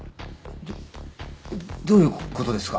どどういう事ですか？